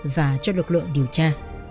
và cho lực lượng điều tra